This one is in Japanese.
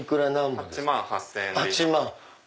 ８万８０００円。